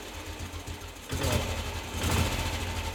Bedaŭron.